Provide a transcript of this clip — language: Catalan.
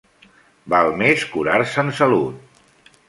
Val més curar-se en salut.